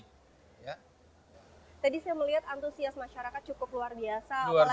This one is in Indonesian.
tadi saya melihat antusias masyarakat cukup luar biasa apalagi